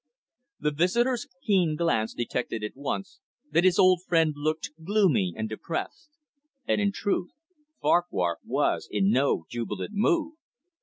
The visitor's keen glance detected at once that his old friend looked gloomy and depressed. And, in truth, Farquhar was in no jubilant mood.